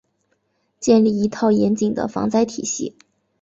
建立一套严谨的防灾体系